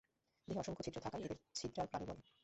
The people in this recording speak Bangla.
দেহে অসংখ্য ছিদ্র থাকায় এদের ছিদ্রাল প্রাণী বলে।